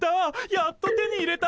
やっと手に入れた！